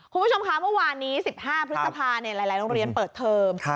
คุณผู้ชมคะเมื่อวานนี้๑๕พฤษภาหลายโรงเรียนเปิดเทอม